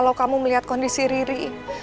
kalau kamu melihat kondisi riri